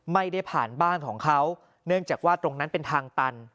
ไม่ได้ผ่านบ้านของเขาเนื่องจากว่าตรงนั้นเป็นทางตัน